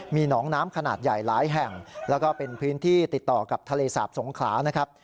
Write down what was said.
มีหนองน้ำขนาดใหญ่หลายแห่งแล้วก็เป็นพื้นที่ติดต่อกับทะเลสาบสงขลานะครับ